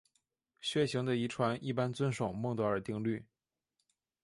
血型的遗传一般遵守孟德尔定律。